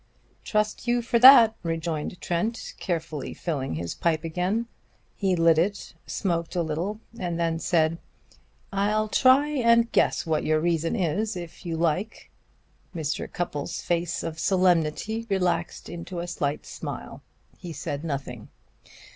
"Trust you for that," rejoined Trent, carefully filling his pipe again. He lit it, smoked a little and then said: "I'll try and guess what your reason is, if you like." Mr. Cupples' face of solemnity relaxed into a slight smile. He said nothing.